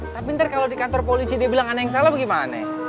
tapi ntar kalau di kantor polisi dia bilang ada yang salah gimana